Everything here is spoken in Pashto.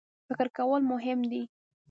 فکر کول مهم دی.